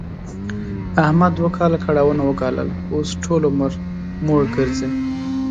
احمد دوه کاله کړاوونه و ګالل، اوس ټول عمر موړ ګرځي.